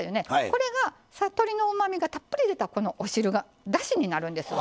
これが鶏のうまみがたっぷり出たこのお汁がだしになるんですわ。